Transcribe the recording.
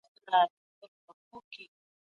قصاص د ټولني لپاره د ارامۍ او سکون نښه ده.